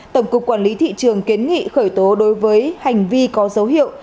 tổng cục quản lý thị trường kiến nghị khởi tố đối với hành vi có dấu hiệu